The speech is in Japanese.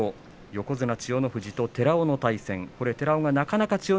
横綱千代の富士と寺尾戦です。